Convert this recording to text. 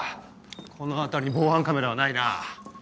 この辺りに防犯カメラはないな。